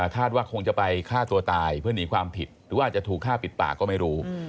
คาดว่าคงจะไปฆ่าตัวตายเพื่อหนีความผิดหรือว่าอาจจะถูกฆ่าปิดปากก็ไม่รู้